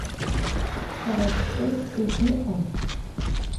Сара стәы егьыҟам!